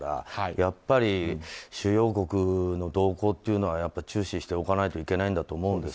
やっぱり主要国の動向というのは中止しておかないといけないと思うんです。